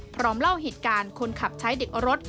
เล่าเหตุการณ์คนขับใช้เด็กรถ